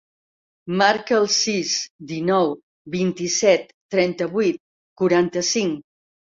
Marca el sis, dinou, vint-i-set, trenta-vuit, quaranta-cinc.